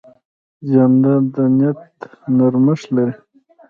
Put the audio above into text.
جانداد د نیت نرمښت لري.